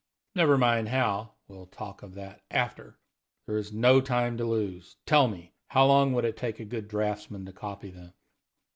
Never mind how we'll talk of that after. There is no time to lose. Tell me how long would it take a good draughtsman to copy them?"